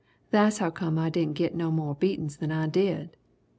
Tha's howcome I didn' git no mo' beatin's than I did!